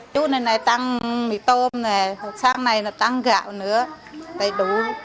chú này này tăng mì tôm hôm sáng này tăng gạo nữa đầy đủ